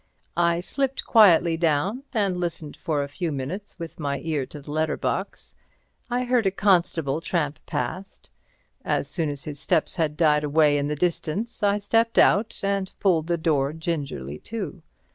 I slipped quietly down, and listened for a few minutes with my ear to the letter box. I heard a constable tramp past. As soon as his steps had died away in the distance I stepped out, and pulled the door gingerly to.